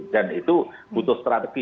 dan itu butuh strategi